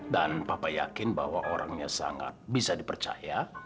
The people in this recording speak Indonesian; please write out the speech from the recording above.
dan papa yakin bahwa orangnya sangat bisa dipercaya